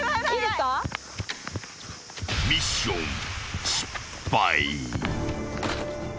［ミッション失敗］